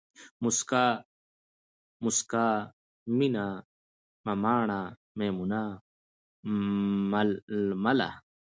موسکا ، مُسکا، مينه ، مماڼه ، ميمونه ، ململه